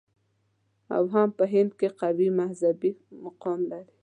او هم په هند کې قوي مذهبي مقام لري.